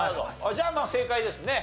じゃあまあ正解ですね